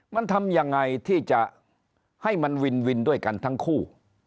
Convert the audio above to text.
มันทำยังไงที่จะให้มันวินวินด้วยกันทั้งคู่